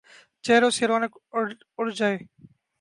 ، چہروں سے رونق اڑ جائے ،